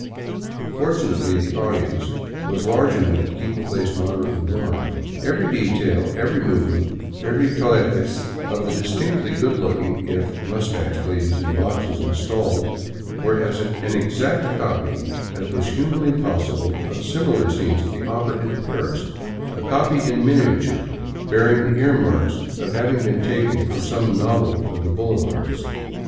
Fortunately the audience was large enough to keep .the place moderately warm. Every detail, every movement, the very toilettes of the distinctly good looking, if mus tached, ladies in boxes and stalls were as exact a copy as was humanly possible of similar scenes at the opera in Paris, a copy in miniature bearing the earmarks of having been taken from some novel of the boulevards.